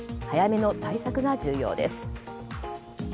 早めの対策が重要です。